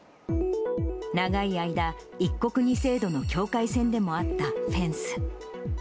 長い間、一国二制度の境界線でもあったフェンス。